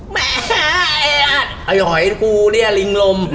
เฮ้ยเอ็กกูอ่ะลิงลม